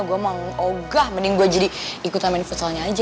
gue mau ogah mending gue jadi ikutan main futsalnya aja